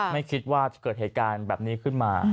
ไม่คิดว่าจะเกิดเหตุการณ์แบบนี้ขึ้นมา